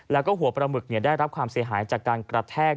แล้วก็หัวปลาหมึกได้รับความเสียหายจากการกระแทก